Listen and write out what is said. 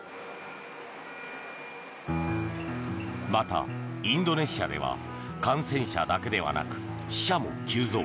また、インドネシアでは感染者だけではなく死者も急増。